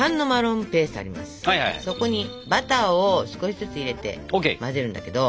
そこにバターを少しずつ入れて混ぜるんだけど。